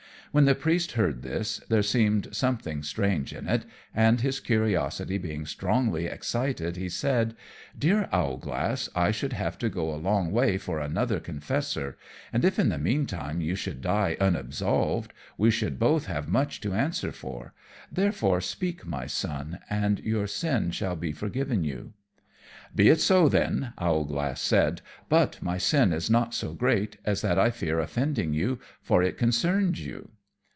When the Priest heard this, there seemed something strange in it, and his curiosity being strongly excited, he said, "Dear Owlglass, I should have to go a long way for another confessor, and if in the meantime you should die unabsolved we should both have much to answer for, therefore speak, my Son, and your sin shall be forgiven you." "Be it so then," Owlglass said, "but my sin is not so great, as that I fear offending you, for it concerns you."